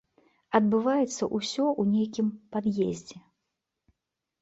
Адбываецца ўсё ў нейкім пад'ездзе.